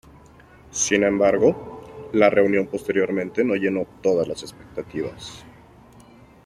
Sin embargo, la reunión posteriormente no llenó todas las expectativas.